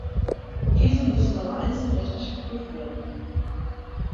Diese müssen aber einzeln rechtlich geprüft werden.